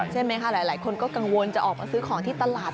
ใช่ไหมคะหลายคนก็กังวลจะออกมาซื้อของที่ตลาด